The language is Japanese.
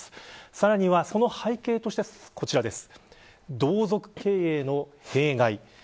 さらにはその背景として、こちらです。